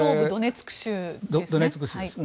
東部ドネツク州ですね。